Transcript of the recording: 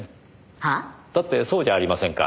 は？だってそうじゃありませんか。